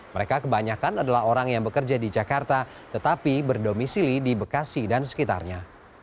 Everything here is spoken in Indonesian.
mereka kebanyakan adalah orang yang bekerja di jakarta tetapi berdomisili di bekasi dan sekitarnya